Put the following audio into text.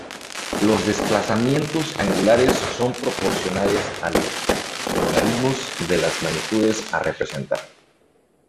Los desplazamientos angulares son proporcionales a los logaritmos de las magnitudes a representar.